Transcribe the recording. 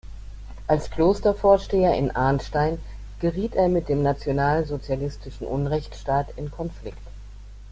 Als Klostervorsteher in Arnstein geriet er mit dem nationalsozialistischen Unrechtsstaat in Konflikt.